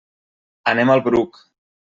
Anem al Bruc.